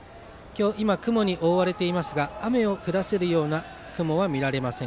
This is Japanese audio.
今、雲に覆われていますが雨を降らせるような雲は見られません。